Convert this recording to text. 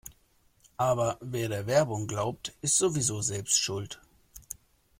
Aber wer der Werbung glaubt, ist sowieso selbst schuld.